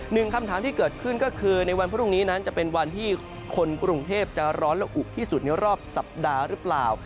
หนึ่งคำถามที่เกิดขึ้นก็คือในวันพรุ่งนี้นั้นจะเป็นวันที่คนกรุงเทพจะร้อนและอุกที่สุดในรอบสัปดาห์หรือเปล่า